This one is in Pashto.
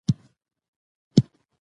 زه د کرپونکي سپک خواړه خوښوم.